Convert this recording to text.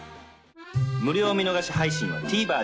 無料見逃し配信は ＴＶｅｒ で